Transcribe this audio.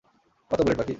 কত বুলেট বাকি?